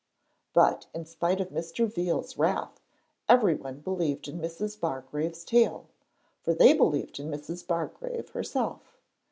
But, in spite of Mr. Veal's wrath, everyone believed in Mrs. Bargrave's tale, for they believed in Mrs. Bargrave herself.